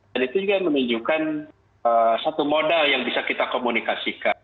dan itu juga menunjukkan satu modal yang bisa kita komunikasikan